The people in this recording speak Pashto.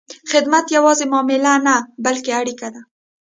خدمت یوازې معامله نه، بلکې اړیکه ده.